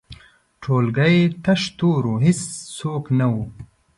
ټولګی تش تور و، هیڅوک نه وو.